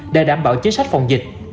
để đảm bảo chính sách phòng dịch